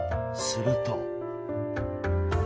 すると。